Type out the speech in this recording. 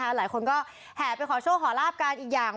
หลายคนก็แห่เป็นขอโชว์ขอราบการอีกอย่าง